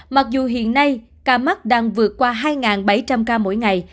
mặc dù hiện nay ca mắc đang vượt qua hai bảy trăm linh ca mỗi ngày